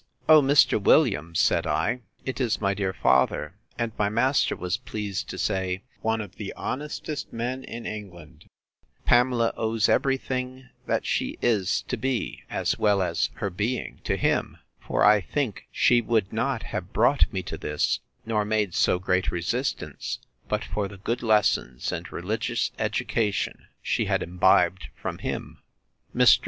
O, Mr. Williams! said I, it is my dear father! and my master was pleased to say, One of the honestest men in England: Pamela owes every thing that she is to be, as well as her being, to him; for, I think, she would not have brought me to this, nor made so great resistance, but for the good lessons, and religious education, she had imbibed from him. Mr.